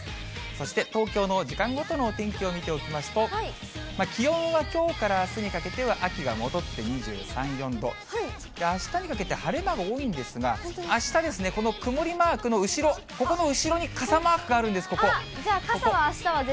そして、東京の時間ごとのお天気を見ておきますと、気温はきょうからあすにかけては秋が戻って、２３、４度、あしたにかけて晴れ間が多いんですが、あしたですね、この曇りマークの後ろ、お出かけの方は。